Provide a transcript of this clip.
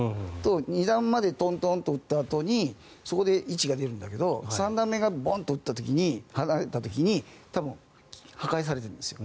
２段までトントンと撃ったあとにそこで位置が出るんだけど３段目がボンッと離れた時に多分、破壊されてるんですよ。